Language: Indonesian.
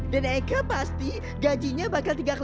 dan eke pasti gaji dia itu akan kaya raya